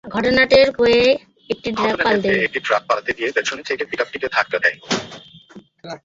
ঘটনা টের পেয়ে একটি ট্রাক পালাতে গিয়ে পেছন থেকে পিকআপটিকে ধাক্কা দেয়।